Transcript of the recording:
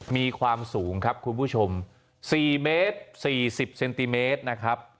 มีความสูงครับคุณผู้ชม๔เมตร๔๐เซนติเมตรนะครับ